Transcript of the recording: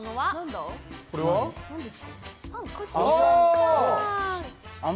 これは？あ！